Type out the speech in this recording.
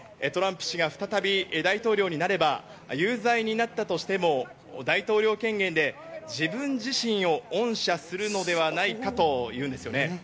トランプ氏が再び大統領になれば有罪になったとしても、大統領権限で自分自身を恩赦するのではないかというんですよね。